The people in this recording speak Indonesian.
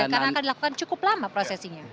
karena akan dilakukan cukup lama prosesinya